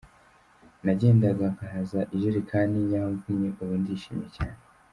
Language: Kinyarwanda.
Nagendaga nkaza ijerekani yamvunnye, ubu ndishimye cyane.